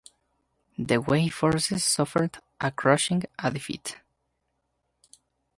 The Wei forces suffered a crushing a defeat.